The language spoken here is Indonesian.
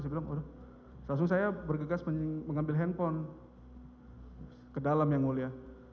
saya bilang aduh langsung saya bergegas mengambil handphone ke dalam yang mulia